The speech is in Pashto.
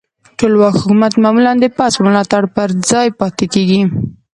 ټولواک حکومت معمولا د پوځ په ملاتړ پر ځای پاتې کیږي.